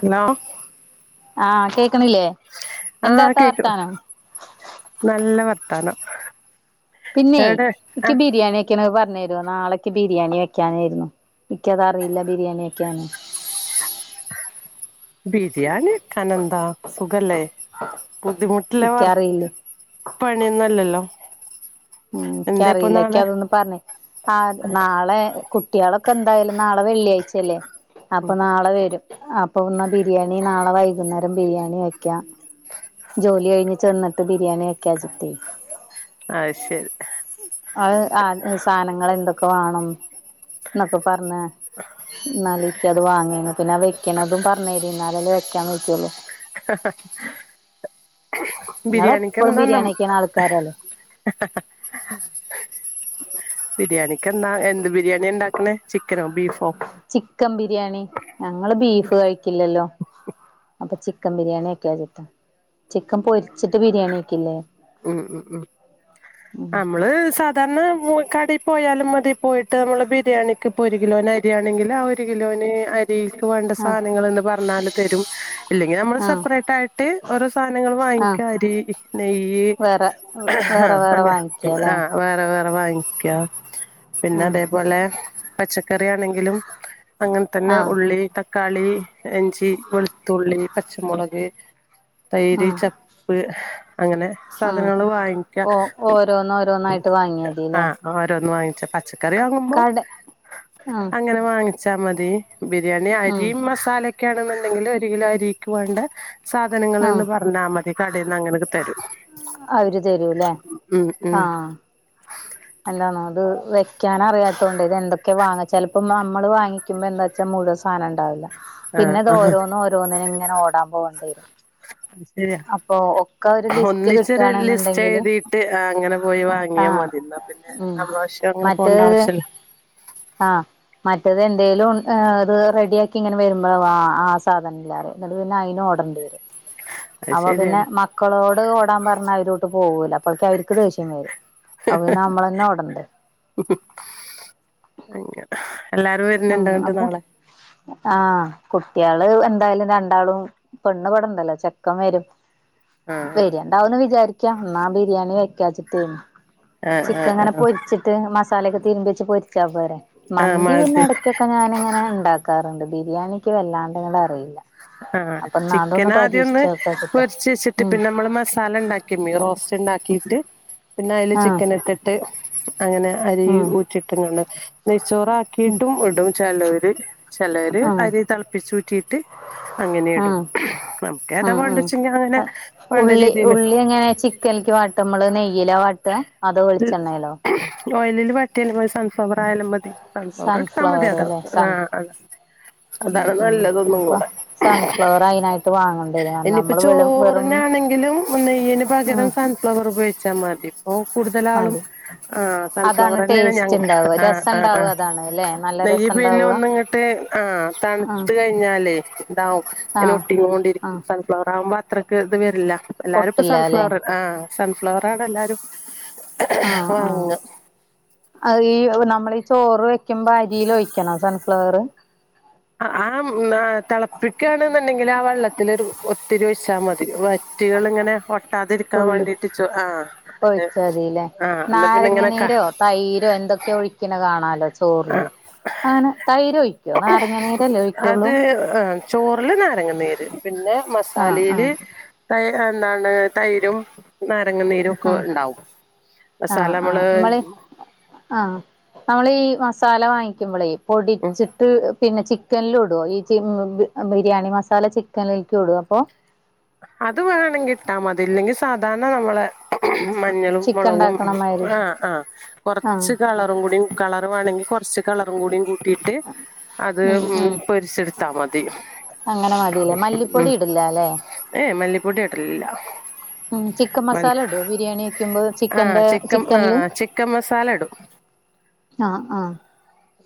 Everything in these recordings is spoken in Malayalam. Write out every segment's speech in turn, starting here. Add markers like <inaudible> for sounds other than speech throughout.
ഹലോ ആഹ് കേക്കുന്നില്ലേ ആഹ് കേക്ക് നല്ല വർത്താനം പിന്നെ എവിടെ ആ എനിക്ക് ബിരിയാണിക്കെ ചിക്കന് പറഞ്ഞു തരു നാളെക്ക് ബിരിയാണി വെക്കാനായിരുന്നു എനിക്കതറിയില്ല ബിരിയാണി വെക്കാന് ബിരിയാണി വക്കാനന്ത സുഖലേ ബുദ്ധിമുട്ടിലെ വർ ഇക്കറിയില്ലേ പണിയൊന്നുംല്ലല്ലോ ഉം എനിക്ക് അറിയില്ല എക്ക അതൊന്നന്ന് പറഞ്ഞേ ആഹ് നാളെ കുട്ടികളൊക്കെ എന്തായാലും നാളെ വെള്ളിയാഴ്ചല്ലേ അപ്പൊ നാളെ വരും അപ്പൊ ഒന്ന് ബിരിയാണി നാളെ വൈകുന്നേരം ബിരിയാണി വെക്ക ജോലി കഴിഞ്ഞിട്ട് ചെന്നിട്ട് ബിരിയാണി വക്കാ ചിട്ട അ യ്ശരി അത് സാധനങ്ങൾ എന്തൊക്കെ വേണം എന്നൊക്കെ പറഞ്ഞേ എന്നാൽ നിക്ക അത് വാങ്ങന ന്നെ വെക്കുന്നതും പറഞ്ഞരി ന്നാലത് വെക്കാൻ വക്കോള്ളൂ ഇങ്ങള് എപ്പളും ബിരിയാണിക്കെന്താ നം ബരിയാണി വെക്യണ ആൾക്കാരല്ലേ <inaudible> ബിരിയാണിക്ക് എന്താ എന്ത് ബിരിയാണിണ്ടാക്കണേ ചിക്കനോ ബീഫോ ചിക്കൻ ബിരിയാണി ഞങ്ങള് ബീഫ് കഴിക്കില്ലല്ലോ അപ്പൊ ചിക്കൻ ബിരിയാണി വെക്കച്ചിട്ട ചിക്കൻ പൊരിച്ചിട്ട് ബിരിയാണി വെക്കില്ലേ ഉം ഉം ഉം ഉം അമ്മള് സ തന്നെ മൂ കടയിൽ പോയാലും മതി പോയിട്ട് നമ്മള് ബിരിയാണിക്ക് ഇപ്പോ ഒരു കിലോ നരിയാണെങ്കിൽ ആ ഒര് ര് കിലോന് അരി വേണ്ട ആഹ് സാനങ്ങള്ന്ന് പറഞ്ഞാല് തരും ഇല്ലെങ്കി നമ്മള് ആഹ് സെപ്പറേറ്റ് ആയിട്ട് ഓരോ സാധനങ്ങൾ ആഹ് വാങ്ങിക്കാ അരി നെയ്യ് വേറെ അ വേറെ വേറെ അങ്ങ വാങ്ങിക്കാല്ലേ ആഹ് വേറെ വേറെ വാങ്ങിക പിന്നെ ആഹ് അതേപോലെ പച്ചക്കറി ആണെങ്കിലും അങ്ങൻ തന്നെ ആഹ് ഉള്ളി തക്കാളി ഇഞ്ചി വെളുത്തുള്ളി പച്ചമുളക് തൈര് ആഹ് ചപ്പ് അങ്ങനെ ആഹ് സാധനങ്ങള് വാങ്ങിക്ക ഓ ഓരോന്ന് ഓരോന്നായിട്ട് വാങ്ങിയാ മതില്ലേ ആഹ് ഓരോന്ന് വാങ്ങിച്ചാ പച്ചക്കറി വാങ്ങുമ്പോ കട ആഹ് അങ്ങനെ വാങ്ങിച്ചാ മതി ബിരിയാണി ആഹ് അരീം മസാലൊക്കേണ്ന്ന്ണ്ടെങ്കില് ഒരു കിലോ അരീക്ക് വേണ്ട സാധനങ്ങള് ആഹ് ന്ന് പറഞ്ഞാ മതി കടീന്ന് അങ്ങനെക്കെ തരും അവര് തരൂല്ലേ ഉം ഉം ആഹ് അല്ലാന്നോ ഇത് വെക്യാൻ അറിയാതോണ്ടേ ഇത് എന്തൊക്കെ വാങ്ങ ചെലപ്പോം നമ്മള് വാങ്ങി ക്കും ബോ എന്താ വച്ചാ മുഴുവൻ സാധനംണ്ടാവില്ല ആഹ് പിന്നെ ഇത് ആഹ് ഓരോന്നും ഓരോന്നിനിങ്ങനെ ഓടാൻ പോണ്ടിരും <inaudible> ശരിയ ഒരു ലിസ്റ്റ് ഒന്നിച്ചൊരു ലിസ്റ്റ് കിട്ടുകയാണെന്നുണ്ടെങ്കില് എഴുതിയിട്ട് ആഹ് അങ്ങനെ പോയി വാങ്ങിയാ ആഹ് മതി ഇന്നാ പിന്നെ ഉം നമ്മളാവശ്യം അങ്ങനെ പോണ്ട മറ്റേത് ആവശ്യല്ല ആഹ് മറ്റേത് എന്തേലും ഏഹ് ഇത് റെഡിയാക്കിങ്ങനെ വരുമ്പോളാവും ആഹ് ആ സാധനം ഇല്ലാറിയ ഇന്നട്ട് പിന്നെ അയിനും ഓടണ്ടിവരും അത് അപ്പൊ പിന്നെ ശരിയാണ് മക്കളോട് ഓടാൻ പറഞ്ഞ അവരോട്ട് പോവൂല അപ്പോഴേക്ക്‌ അവർക്ക് ദേഷ്യം വരും അപ്പൊ പിന്നെ നമ്മളന്നെ ഓടണ്ടേ അങ്ങനെ എല്ലാരും വ ഉം അപ്പൊ ആഹ് കുട്ട്യാള് എന്തായാലും രണ്ടാളും പെണ്ണ് ഇവടണ്ടല്ലോ ചെക്കം വരും ആഹ് വര്യണ്ടാവും ന്ന് വിചാരിക്യ എന്നാ ബിരിയാണി വെക്കാച്ചിട്ടേനു ആഹ് ആഹ് ചിക്കങ്ങനെ ആഹ് പൊരിച്ചിട്ട് മസാലയൊക്കെ തിരുബ്യച്ച് പൊരിച്ചാ പോരെ ആഹ് മന്തി മാ പിന്നെട കൊക്കെ ഞാനിങ്ങനെ ണ്ടാക്കാറുണ്ട് ബിരിയാണിക്ക് വല്ലാണ്ട്ങ്ങട്ട് അറിയില്ല ആഹ് അപ്പൊ ഇന്നാ അതൊന്ന് ചിക്കന് ആദ്യം ഒന്ന് പരീക്ഷിച്ചോക്കാച്ചിട്ടാ പൊരിച്ച് വെച്ചിട്ട് ഉം പിന്നെ നമ്മള് മസാലണ്ടാക്കി കിമ്മി റോസ്റ്റ്ണ്ടാക്കിട്ട് പിന്നെ അയില് ആഹ് ചിക്കൻ ഇട്ടിട്ട് അങ്ങനെ അരി ഉം ഊറ്റിട്ട്ങ്ങാണ്ട് നെയ്ച്ചോറ് ഉം ആക്കിയിട്ടും ഇടും ചെലോര് ചെലര് ആഹ് അരി തളപ്പിച്ച് ഊറ്റിയിട്ട് അങ്ങനെ ഇടും ആഹ് നമുക്ക് ഏതാ ആഹ് ആഹ് വേണ്ടച്ചെങ്കി അങ്ങനെ വേണ്ട രീതില് ഏഹ് ചിക്കൽക്ക് വാട്ട നമ്മള് നെയ്യയിലാ വട്ടാ അതോ വെളിച്ചെണ്ണേലോ ഓയിലില് വാട്ട്യാലും മ സൺഫ്ലവർ ആയാലും മതി സൺഫ്ലവർ ഇടുത്താ മതി അതാ അല്ലേ സൺ ആഹ് അ ഉം അതാണ് ഉം നല്ലതൊന്നും അപ്പൊ കൂടെ സൺഫ്ലവർ അയിനായിട്ട് വാങ്ങണ്ടിവരും കാരണം ഇനിയിപ്പം നമ്മള് വെളു വെറും ചോറിനാണെങ്കിലും നെയ്യ്ന് പകരം ഉം സൺ സൺഫ്ലവർ ഉപയോഗിച്ചാ മതി ഇപ്പോ കൂടുതലാളും മതി ആഹ് അതാണ് സൺഫ്ലവർന്നെണ് ഞങ് ടേസ്റ്റ് ഉണ്ടാവുക ആഹ് രസം ആഹ് ഉണ്ടാവുക ആഹ് അതാണ് അല്ലെ നല്ല നെയ്യ് രസം പിന്നെ ഉണ്ടാവുക ഒന്ന്ങ്ങട്ട് ആഹ് ആഹ് തണുത്ത് ക യിഞ്ഞാലേ ഇതാവും ഇങ്ങനെ ആഹ് ഒട്ടി ങ്ങോണ്ടിരിക്കും ആഹ് സൺഫ്ലവർ ആവുമ്പോ അത്രക്ക് ഇത് വരില്ല എല്ലാരും ഇപ്പ പൊട്ടില്ല അല്ലെ സൺഫ്ലവർ ആഹ് സൺഫ്ലവർ ആണ് എല്ലാരും ആഹ് ആജ വാങ്ങ അഈ നമ്മളീ ചോറ് വെ ക്കുമ്പോ അരീലൊഴിക്കണോ സൺഫ്ലവറ് അഹ് ആഹ് മ്മാ തളപ്പിക്കാണ്ന്നുണ്ടെങ്കിൽ ആ വെള്ളത്തിലൊരു ഒത്തിരി ഒഴിച്ചാൽ മതി വ റ്റ്കള്ങ്ങനെ ഒട്ടാതിരിക്കാൻ വേണ്ടിട്ടിച്ചു ആഹ് <unintelligible> നാരങ്ങനീരോ, തൈരോ, എന്തൊക്കെയോ ഒഴിക്കണ കാണാലോ ചോർല് അങ്ങനെ തൈര് ഒഴിക്കോ നാരങ്ങനീരല്ലേ ഒഴിക്കൊള്ളൂ അത് ആ ചോറില് നാരങ്ങ നീര് പിന്നെ മസാലീല് തൈ എന്താണ് തൈരും നാരങ്ങനീരും ക്കെ ആഹ് ഉണ്ടാവും. ആഹ് ആഹ് മസാലമ്മള് മ്മള് ആഹ് നമ്മൾ ഈ മസാല വാങ്ങിക്കുമ്പളേയ് ഉം പൊടിച്ചി ട്ട് പിന്നെ ചിക്കനിലുടുവോ ഈ ച്ചി ബിരിയാണി മസാല ചിക്കനിലേക്ക് ഇടുവോ അപ്പോ അത് വേണങ്കിട്ടാ മതി ഇല്ലെങ്കി സാധാരണ നമ്മളെ മഞ്ഞളും ചിക്കൻ മൊളകും ഇണ്ടാക്കണമാതിരി ആഹ് ആഹ് ആഹ് കുറച്ച് കളറും കൂടി കളറ് വേണങ്കിൽ കൊർച്ച് കളറും കൂടി കൂട്ടിയിട്ട് അത് ഉം പൊരിച്ചെടു ത്താ മതി അങ്ങനെ മതിലേ മല്ലിപ്പൊടി ഇടില്ല ല്ലേ ഏയ് മല്ലിപ്പൊടി ഇടലില്ല ഉം ചിക്കൻ മല്ലി മസാല ഇടുവോ ബിരിയാണി വെക്കുമ്പോ ആഹ് ചിക്കന്റെ, ചിക്കൻ ചിക്കനില് ആഹ് ചിക്കൻ മസാല ഇടും ആഹ് ആഹ്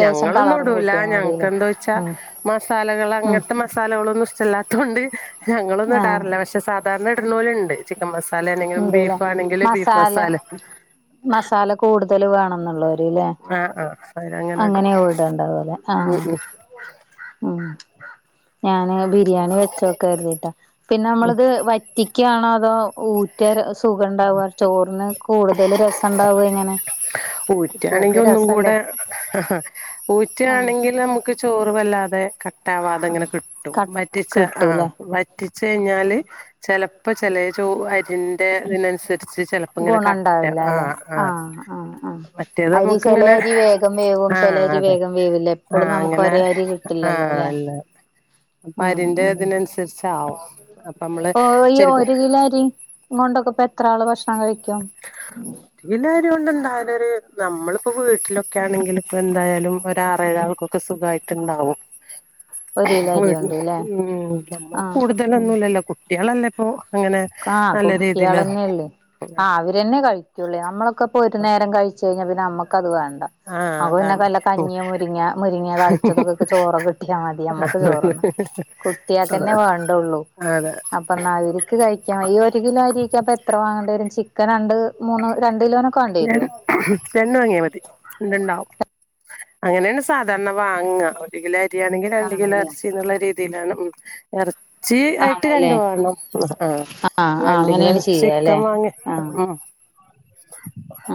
ലേശം കളറും ഞങ്ങളൊന്നുഇടൂല, കൂട്ടിയാ മതില്ലേ ഞങ്ങക്കെന്താ വച്ചാ ഉം ഉം മസാലകളങ്ങത്തെ മ മസാലകളൊന്നും ഇഷ്ടല്ലാത്തോണ്ട് ഞങ്ങളൊന്നും ആഹ് ഇടാറില്ല. പക്ഷെ സാധാരണ ഇട്ണോല്ണ്ട് ചിക്കൻ മസാലേണെങ്കിലും ബീഫാണെങ്കില് ബീഫ് മസാല മസാല കൂടുതൽ വേണംന്നുള്ളോ ല് മതീല്ലേ ആഹ് ആഹ് അവരങ്ങനെ ഇടും അങ്ങനെയാവു ഇടെണ്ടത് ലെ ഉം ആഹ് ഉം ഞാന് ബിരിയാണി വെച് ച്ചോക്ക കരുതിട്ടാ, പിന്നെ നമ്മള്ത് വറ്റിക്കാണോ അതോ ഊറ്റ് <unintelligible> സുഖം ഉണ്ടാവുക ചോറിന് കൂടുതല് രസണ്ടാവ എങ്ങനെ കുട്ടികൾക്ക് ഉറ്റാണെങ്കി രസല്ലേ ഒന്നുംകൂടെ ആഹ് ഊറ്റാണെ ങ്കിൽ നമുക്ക് ചോറ് വല്ലാതെ കട്ടാവാതെങ്ങനെ കിട്ടും. ക വറ്റിച്ച ആഹ് കിട്ടൂല്ലേ വറ്റ് റ്റിച്ചു കഴിഞ്ഞാല് ചെലപ്പോ ചേലെ ചോ അരിന്റെ തിനനുസരി ച്ച് ചെലപ്പങ്ങനെ ഗുണം കട്ട ആഹ് ആഹ് മ്മ്ഹ് അത് ചെല അരി വേഗം വേവും ആ ചേലെ അരി വേഗം വേവില്ല. എപ്പളും നമുക്ക് ഒരേ അരി ആഹ് കിട്ടില്ലല്ലോ ആഹ് അല്ലെ ല്ല അപ്പ ഉം അരിന്റെ ഉം ഇതിനനുസരിച്ച് ആവും അപ്പൊമ്മള് ശരിക്ക് - ങൊണ്ടൊക്കെ പ്പെത്രാള് ഭക്ഷണം കഴിക്കും ഒരിലെ അരികൊണ്ട് ഉണ്ടായാല് ഒരു നമ്മളിപ്പോ വീട്ടിലൊക്കേണെങ്കില് പ്പോ എന്തായാലും ഒരു ആറേഴാൾക്കൊ ക്കൊ സുഖായിട്ടുണ്ടാവും <inaudible> കിലോ അരികൊണ്ട് ല്ലേ <unintelligible> <inaudible> നമ്മൾ ആഹ് ഉം കൂടുതലൊന്നുല്ലല്ലോ കുട്ടികളല്ലെപ്പൊ അങ്ങനെ ആഹ് നല്ല രീതിയില് കുട്ടികളന്നെല്ലേ ആഹ് അവര് തന്നെ കഴിക്കൂള്ളൂ. നമ്മളൊക്കെപ്പൊ ഒരു നേരം കഴിച്ചു കഴിഞ്ഞാ പിന്നെ അമ്മക്കത് വേണ്ട ആഹ് അപ്പോ പിന്നെ അതാണ് വല്ല കഞ്ഞിയോ മുരിങ്ങ മുരിങ്ങ താളിച്ചതൊക്കെ ഒക്കെ ചോറ് കിട്ടിയാ മതി അമ്മക്ക് ചോറ്ന്ന കുട്ട്യാക്കന്നെ വേണ്ടൊള്ളൂ അതെ അപ്പന്ന അവര്ക്ക് കഴിക്കാം ഈ ഒരു കിലോ അരിക്കെ അപ്പ എത്ര വാങ്ങണ്ടെ വരും ചിക്കൻ രണ്ട് മൂന്ന് രണ്ട് കിലോ രൻ രണ്ട് വാങ്ങിയാ മതി രണ്ട്ണ്ടാവും. അങ്ങനെണ് സാധാരണ വാങ്ങ ഒരു കിലോ അരിയാണെങ്കി രണ്ട് കിലോ ആണല്ലേ എറച്ചി ന്നുള്ള രീതിയിലാണ്. എറ ച്ചി ആയിട്ട് രണ്ടു ആണല്ലേ വേണം. ആ ആഹ് അപ്പോ ആഹ് രണ്ട് കിലോ അങ്ങനെയാണ് ചെയ്യാല്ലേ ചിക്കൻ വാങ്ങി ഉം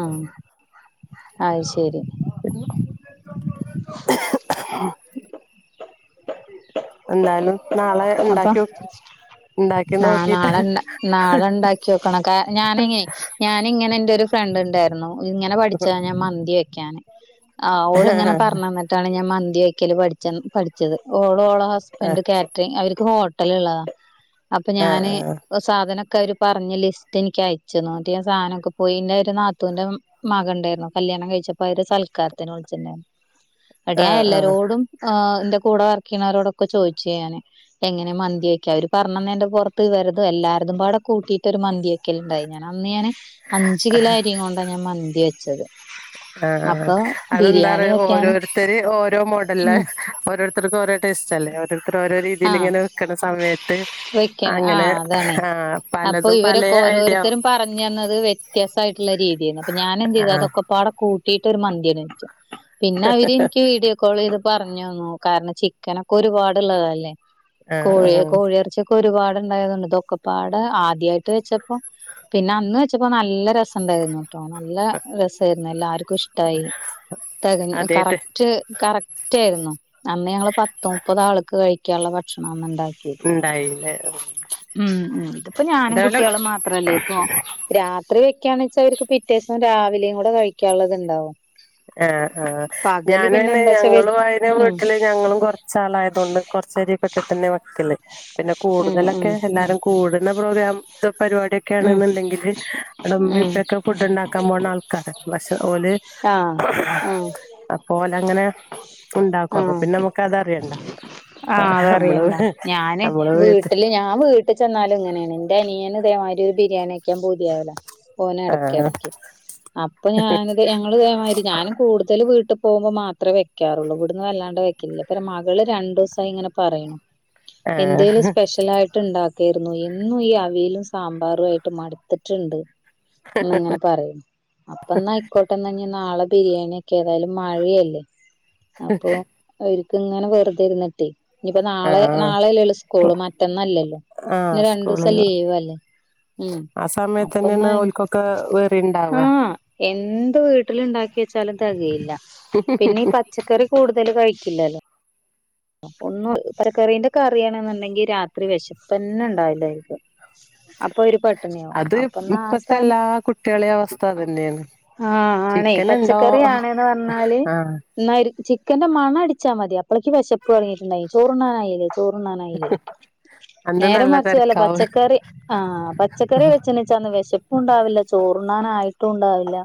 ഉം അഹ് ശരി <inaudible> <inaudible> <inaudible> എന്തായാലും നാളെ ഇണ്ടാക്കി കിം ന്ന നാളെണ്ട നാളെ ണ്ടാക്കികോകണംക ഞാനേയ് ഞാനിങ്ങനെ ന്റെറ ഒരു ഫ്രണ്ട് ണ്ടാര് രുന്നു ഇങ്ങനെ പഠിച്ചതാ ഞാമന്തി വെക്കാന് ആ ഓള്ങ്ങനെ പറഞ്ഞന്നിട്ടാണ് ഞാൻ മന്തി വയ്ക്കല് പഠിച്ച പഠിച്ചത് ഓള് ഓള ഹസ്ബൻഡ്കാ ത് അവർക്ക് ഹോട്ടലള്ളതാ അപ്പൊ ആ ഞാന് പ്പ സാധനൊക്കെ അവര്പറഞ്ഞലിസ്റ്റ്എനിക്ക് അയച്ചന്നുന്നിട് സാധനക്കെ എന്റെന്നാ ഒരുന്നാ ത്തുന്റെമ മക ണ്ടാര്ന്നു കല്യാണം കഴിച്ചപ്പോ അവരെ സൽക്കാരത്തിന് വിളിച് ണ്ട് ര് ന്നു ട് ആ ഞാ ആ എല്ലരോടും എന്റെ കൂടെ വർക്ക് യ്ണരോടൊക്കെ ചോയ്ച്ഞാന്. എങ്ങനെ മന്തിയാക്കി അവര്പറഞ്ഞന്നിന്റെ പൊറ്ത്ത് ഇവരതും എല്ലാര തുപാടെ കൂട്ടിയിട്ട്ഒരു മന്തി ഒരു മന്തിയാ ക ല് ണ്ടായി ഞാൻ അന്ന് ഞാന് അഞ്ച് കിലോ അരികൊണ്ടാഞാൻമന്തി വെച്ചത് ആഹ അപ്പൊ അതെന്താ റ ബിരിയാണി വെക്കാനും ഓരോരുത്തര് ഓരോ മോഡല് ഉം ഓരോര് രക്കരോ ടെ സ്റ്റ്ല്ലേ ഓരോ ര് രീതിയില് ആഹ് ഇങ്ങനെ ക്കണ സമയത്ത് വെക്കണം അങ്ങനെ ആഹ് അതാണേ ആഹ അപ്പൊ പലതുംപലെഐഡിയ വിത്യ സായിട്ടുള്ളരീതിര്ന്നു അപ്പൊ ഞാനെന്ത്തു അതൊക്കെ പാടെ കൂ കു ട്ടിട്ട് ഒരു മന്തിട്ച്ചുപിന്നെഅവര് എനിക്ക് വീടി കൊളിത് പറഞ്ഞന്നു കാരണം ചിക്കനൊക്കെ ഒരുപാട്ള്ളതല്ലേ ആ ആ കോഴി കോഴിഇറച്ച തക്കെ ഒരുപാട്ണ്ടായതോണ്ട് ദൊക്കപ്പാടെ ആദ്യായിട്ട് വെച്ചപ്പം പിന്നെ അന്ന് വെച്ചപ്പോ നല്ല രസണ്ടായിരുന്നു അ നല്ല രസര്ന്നു എല്ലാര് ക്കും ഇഷ്ടായി തകന് അതായിട്ട് കറക്റ്റ് കറക് റ്റ് രുന്നു അന്ന് ഞങ്ങള് പത്ത് മുപ്പത ആൾക്ക് കഴിക്കാള്ള ഭക്ഷണം അന്ന് ഉണ്ടാക്കിര്ന്നു ഉണ്ടായില്ലേ ഉം ഉ ഇതിപ്പോ ഞാനും അതേപോലെ കുട്യളും മാത്രല്ലേ ഇപ്പൊ രാത്രി വെക്കാണച്ച അവര്ക് പിറ്റെസം രാവിലെകൂടെ കഴിക്കാള്ളത്ണ്ടാകും ആഹ ആ ഞാന് പിന്നെ അയ്ന് എന്താച്ചാ വെ ഞങ്ങളും അയ് ന് ഉം വീട്ടില് ഞങ്ങളും കൊറ ച്ചാല ആയതുകൊണ്ട് കൊറച് രികെട് തന്നെ വെക്കല് പിന്നെ ഉം ഉം കൂടുതലൊക്കെ എല്ലാരും കൂടുണ പ്രോഗ്ര പരിപാടിക്കെന്ന്ണ്ട ങ്കില് ബടെ ഉം ഉം ഇമ്മഇപ്പക്കെഫുഡ് ഇണ്ടാക്കാൻ പോണ ആൾക്കാര പക്ഷെ ഓല് ഉം ആഹ് അപ്പോ ഓലങ്ങനെ ഉണ്ടാക്കും അപ്പൊ ഉം പിന്നെ നമുക്ക് അതറിയണ്ട ആഹ നമ്മള് അതറിയണ്ടാ ഞാന് നമ്മള് വീട്ട് വീട്ടില് ഞവീട്ട ചെന്നലു ഇങ്ങനെണ് ഇന്റെ അനിയന് ഇതേമാതിരി ഒരു ബിരിയാണി ക്കാൻ പുതിയാവല ഓന് ഇടക്ക്‌ ആഹ് ഇടക്ക്‌ അപ്പൊ ഞാനത് ഞങ്ങള്ഇതേ മാതിരി ഞാനും കൂടുതൽ വീട് പോവു മ്പോ മാത്രെവെക്കാറുള്ളു ബ് ട് ന്ന് വല്ലാണ്ടെ വെക്കില്ല പിന്നെ മകള് രണ്ടുസാ യി ദഇങ്ങനെ പറയണു ന്തേലും ആഹ് സ്പെഷ്യല് ആയിട്ട് ണ്ടാക്കാറ്ന്നു എന്നും ഈ അവിയലും സാമ്പാറും ആയിട്ട് മട്ത്തിട്ടുണ്ട് ന്ന ങ്ങനെ പറിം അപ്പ ന്ന ആയ്ക്കോട്ടെന്ന നാളെ ബിരിയാണിക്കെഏതായാലും മഴയല്ലേ അപ്പൊ വര്ക്ക്‌ ഇങ്ങനെ വെറുതെ ഇരുന്നിട്ട് നിപ്പോ നാളെ ആഹ് നാളെല്ലേസ് കുള് മറ്റന്നല്ലല്ലോ ആഹ് ഇന്ന് രണ്ടു സം സ്കൂളിൽ ലീവ് അല്ലേ ഉം ആ സമയത്ത് അപ്പ ന്ന തന്നെയാണ് ഓൽക്കൊക്കെ വെറി ഉണ്ടാവുക എന്ത് വീട്ടില ഉണ്ടാക്കിച്ചാലുംതെ കയില്ല പിന്നെപ പചക്കറി കൂടുതല് കഴിക്കില്ലല്ലോ ഒന്ന് പരക്കറീന്റെ കറിയണെന്ന് ണ്ടെങ്കി രാത്രി വിശപ്പന്നെ ഉണ്ടാവില്ലായിരിക്കും അപ്പൊ ഒരു പ്പ് അത് ഇപ്പത്തെ എല്ലാ കുട്ടിളെ അവസ്ഥ തന്നെണ് ആ ആണേ പച്ചക്കറി ആണന്ന് പറഞ്ഞാല് ആഹ് എന്നായി ര് ചിക്കന്റെ മണ അടിച്ചാ മതി അപ്പോളക്ക് വിശപ്പ് ഇറങ്ങിടണ്ടായി ചോറ്ണാനായില്ലേ ചോറ് ണ്ണാനായിലെ അന്ന് നേര നല്ല മറി ച്ച് വല്ല തിരക്കാവും പച്ചക്കറി ആഹ പച്ചക്കറി വെചാ ച്ചന്ന് വിശപ് ണ്ടാവില്ല ചോറണാനായിട്ടും ഉണ്ടാവില്ല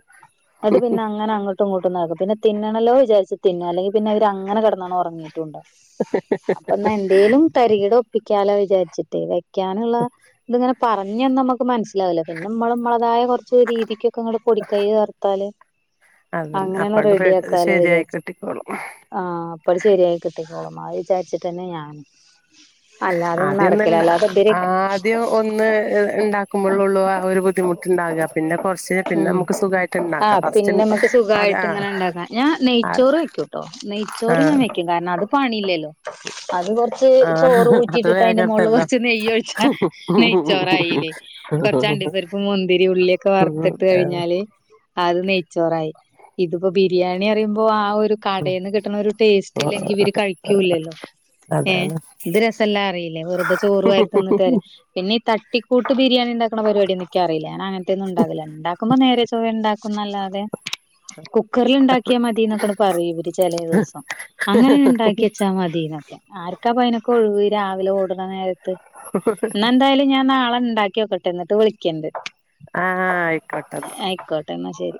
എന്നിട്ട് പിന്നെ അങ്ങനെ അങ്ങ് ട്ടും ങ്ങ്ട്ടു ഇ ങ്ങ് ട്ടു ന്നട് ക്കും പിെ തിണലോ വിചാരിച്ച് തിന്നഅല്ലെങ്ക പിന്നെ അവര് അങ്ങനെ കിടന്ന് ഉറങ്ങിയിട്ടുണ്ടാ അപ്പൊ ന്ന എന്തേലും തരികി ട ഒപ്പിക്കാലോ വിചാരിച്ചിട്ട് വെക്കാനുള്ള ത് ങ്ങനെ പറഞ്ഞന്നനമുക്ക് മനസ് ഇല്ലല്ലോ പിന്നെ നമ്മള് നമ്മളതായ കുറച്ച് രീതിക്കൊക്കെ മ്മള് പൊടിക്കൈ വർത്താല് അതന്നെ അങ്ങനെയനെ അപ്പട് റെഡി ആക്കാലോ ശരിയായി വിചാരിച്ച കിട്ടിക്കോളും ആഹ അപത് ശെരിയായി കിട്ടിക്കോളും അത് വിചാരിച്ചിട്ട തന്നെ ഞാനും അല്ലാതെയൊന്നും ആദ്യ ഒന്ന് നടക്കില്ല ഇണ്ട അല്ലാതെ ഇബര് ആദ്യം ഒന്ന് ഉണ്ടാക്കുമ്പോഴള്ളൂ ആ ഒരു ബുദ്ധിമുട്ട്ുണ്ടാകുകറ പിന്നെ കുറച്ച് പിന്നെ ഉം നമുക്ക് സുഖമായിട്ട് ആഹ് ഉണ്ടാക്കാം പിന്നെ ഫസ്റ്റ് നമുക്ക് അത് സുഖായിട്ട് ആ ോ നെയ്ച്ചോറ് ഞാൻ വെക്കും കാരണം അത് പണിയില്ലല്ലോ അത് കൊറച്ച് ചോറ് ആഹ് അത് ഊറ്റിട്ടിട്ട് അതിന്റെ മോള്ള് വേഗണ്ടല്ലോ കൊറച്ച് നെയ്യ് ഒഴിച്ചാ നെയ്ചോറായില്ലേ കുറച്ചണ്ടി പരിപ്പ് മുന്തിരി ഉള്ളിയൊക്കെ വറുത്തിട്ട് കഴിഞ്ഞാല് അത് നെയ്ച്ചോറായി ഇതിപ്പോ ബിരിയാണി പറയുമ്പോ ആ ഒരു കടയിൽന്ന് കിട്ടുന്ന ഒരു ടേസ്റ്റ് ല്ലെങ്കിൽ ഇവര് കഴിക്കൂല്ലല്ലോ ഏഹ അതാണ് ഇത് രസമല്ലാ അറിയില്ലേ വെറുതെ ചോറു ആായി തന്നിട്ട് വരെ പിന്നെ തട്ടിക്കൂട്ട് ബിരിയാണി ഉണ്ടാക്ക പരിപാടി എന്നൊക്ക അറിയില്ല ഞാ അങ്ങനത്തന്നും ഉാകില്ലണ്ടാക്ക ആുമ്പോ നേരെ ചോ. റ് ഉണ്ടാക്കുന്നല്ലാതെ കുക്കറിൽ ഉണ്ടാക്കിയാൽ മതി എന്നൊക്കൊണ് പറയും ഇവര് ചില ദിവസം അങ്ങനെ ഉണ്ടാക്കി വെച്ചാൽ മതിന്നൊക്കെആർക്കാ പഴി നൊകെ ഒഴിവ് രാവിലെ ഓടുന്ന നേര ഇന്ന എന്തായാലും ഞാൻ നാളെ ഉണ്ടാക്കിോക്കട്ടെ എന്നിട്ട് വിളിക്കണ്ട് ആഹ ആയിക്കോട്ടന്നാ ആയിക്കോട്ടെ എന്നാ ശരി